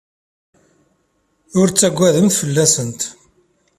Ur ttaggademt fell-asent.